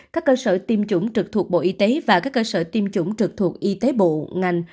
các cơ sở tiêm chủng trực thuộc bộ y tế và các cơ sở tiêm chủng trực thuộc y tế bộ ngành